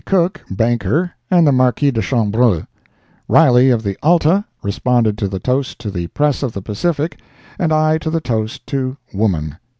Cook, banker and the Marquis de Chambrun. Riley, of the ALTA, responded to the toast to the Press of the Pacific, and I to the toast to Woman.